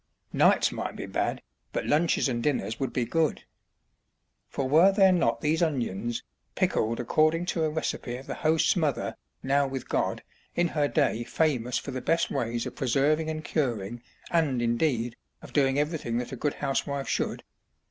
Nights might be bad, but lunches and dinners would be good: for were there not these onions, pickled according to a recipe of the host's mother, now with God, in her day famous for the best ways of preserving and curing and, indeed, of doing everything that a good housewife should?